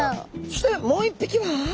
そしてもう一匹は。